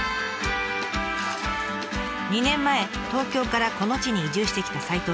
２年前東京からこの地に移住してきた齋藤さん。